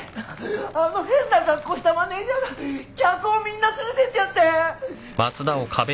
あの変な格好したマネージャーが客をみんな連れてっちゃって。